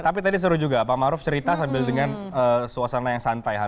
tapi tadi seru juga pak maruf cerita sambil dengan suasana yang santai